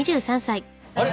あれ？